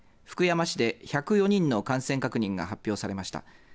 福山市で１０４人の感染確認が発表されました。